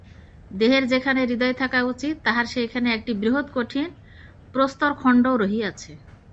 দেহের যেখানে হৃদয় থাকা উচিত, তাহার সেইখানে একটি বৃহৎ কঠিন প্রস্তরখণ্ড রহিয়াছে।